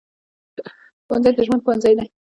ښوونځی د ژوند ښوونځی دی